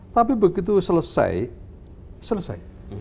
tapi begitu selesai selesai